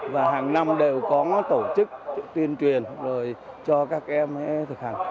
và hàng năm đều có tổ chức tuyên truyền rồi cho các em thực hành